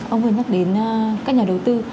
ông vừa nói đến các nhà đầu tư